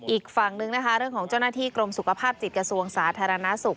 อีกฝั่งนึงนะคะเรื่องของเจ้าหน้าที่กรมสุขภาพจิตกระทรวงสาธารณสุข